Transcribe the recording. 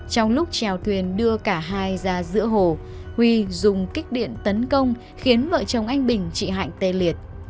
trong lúc trèo thuyền đưa cả hai ra giữa hồ huy dùng kích điện tấn công khiến vợ chồng anh bình chị hạnh tê liệt